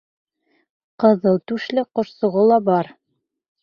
Ҡыҙыл түшле ҡошсоғо ла бар.